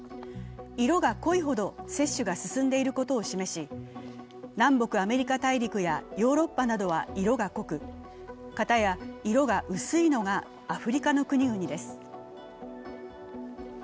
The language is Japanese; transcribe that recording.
色が濃いほど接種が進んでいることを示し、南北アメリカ大陸やヨーロッパなどは色が濃く、片や色が薄いのがアフリカの国々です。